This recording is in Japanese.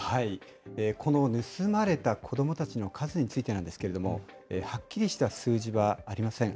この盗まれた子どもたちの数についてなんですけれども、はっきりした数字はありません。